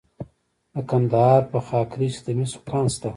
د کندهار په خاکریز کې د مسو کان شته.